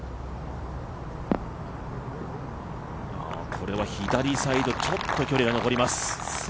これは左サイド、ちょっと距離が残ります。